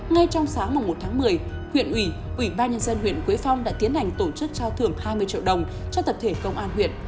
ngay trong sáng một tháng một mươi huyện ủy ủy ban nhân dân huyện quế phong đã tiến hành tổ chức trao thưởng hai mươi triệu đồng cho tập thể công an huyện